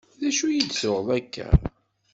D acu i d-tuɣeḍ akka?